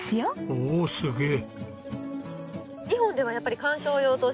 おおすげえ。